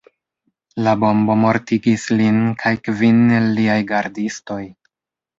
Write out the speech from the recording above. La bombo mortigis lin kaj kvin el liaj gardistoj.